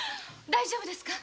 大丈夫ですか！？